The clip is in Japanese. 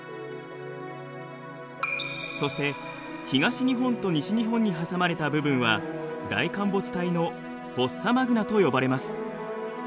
そして東日本と西日本に挟まれた部分は大陥没帯のフォッサマグナと呼ばれます。